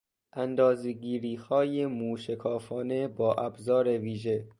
اندازه گیریهای مو شکافانه با ابزار ویژه